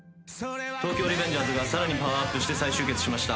『東京リベンジャーズ』がさらにパワーアップして再集結しました。